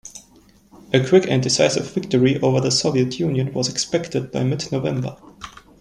A quick and decisive victory over the Soviet Union was expected by mid-November.